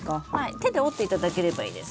手で折っていただければいいです。